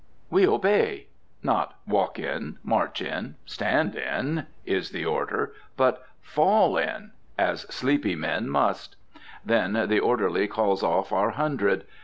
We obey. Not "Walk in!" "March in!" "Stand in!" is the order; but "Fall in!" as sleepy men must. Then the orderly calls off our hundred.